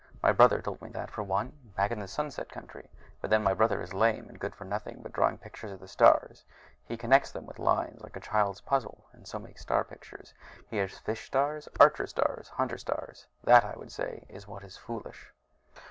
My brother told me that, for one, back in the Sunset Country. But then, my brother is lame and good for nothing but drawing pictures of the stars. He connects them with lines, like a child's puzzle, and so makes star pictures. He has fish stars, archer stars, hunter stars. That, I would say, is what is foolish.